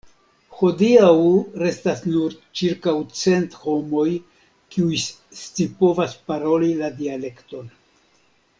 Hodiaŭ restas nur ĉirkaŭ cent homoj kiuj scipovas paroli la dialekton.